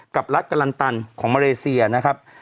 รัฐกรันตันของมาเลเซียนะครับ